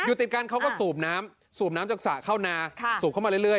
ติดกันเขาก็สูบน้ำสูบน้ำจากสระเข้านาสูบเข้ามาเรื่อย